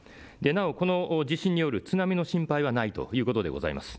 なお、この地震による津波の心配はないということでございます。